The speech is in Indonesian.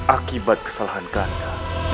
akibat kesalahan kanda